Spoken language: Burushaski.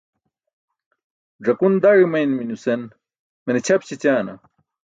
Ẓakun daẏ i̇mani̇mi nusen mene ćʰap śećaana?